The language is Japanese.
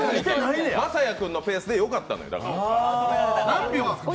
晶哉君のペースでよかったんよ。